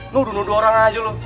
nuduh nuduh orang aja loh